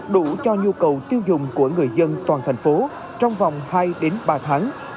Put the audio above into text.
đủ cho nhu cầu tiêu dùng của người dân toàn thành phố trong vòng hai ba tháng